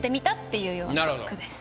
いうような句です。